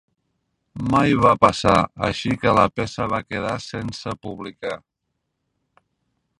Mai va passar, així que la peça va quedar sense publicar.